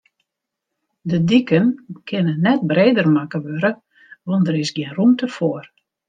De diken kinne net breder makke wurde, want dêr is gjin rûmte foar.